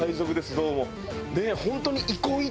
どうも。